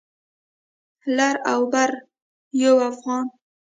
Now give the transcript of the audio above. لر او بر يو افغان.